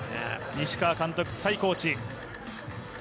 西川監督、才コーチ。